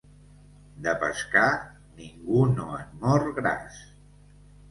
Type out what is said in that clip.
De pescar, ningú no en mor gras.